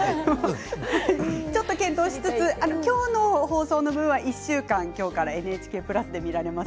ちょっと検討しつつ今日の放送の分は１週間、今日からＮＨＫプラスで見られます。